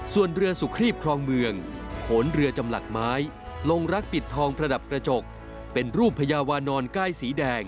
ส่วนเรือสุขรีบครองเมืองโขนเรือจำหลักไม้ลงรักปิดทองประดับกระจกเป็นรูปพญาวานอนก้ายสีแดง